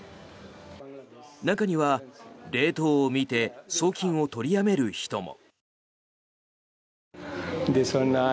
中にはレートを見て送金を取りやめる人も。